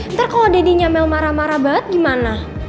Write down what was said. ntar kalo dadinya mel marah marah banget gimana